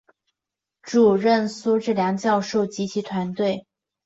主任苏智良教授及其团队